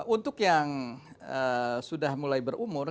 untuk yang sudah mulai berumur